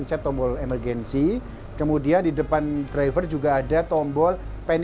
juga bisa ada tombol emergency kemudian di depan driver juga bisa ada tombol emergency